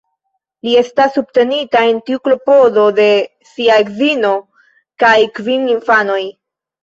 Li estas subtenita en tiu klopodo de sia edzino kaj kvin infanoj.